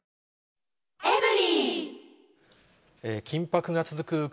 緊迫が続く